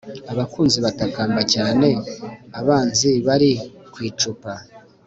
abakunzi batakamba cyane abanzi bari ku icupa